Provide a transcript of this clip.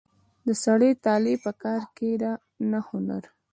د سړي طالع په کار ده نه هنر.